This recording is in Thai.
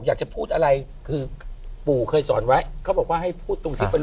อันนี้คือปู่เคยด้านน้ำให้แล้วค่ะ